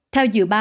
theo dự báo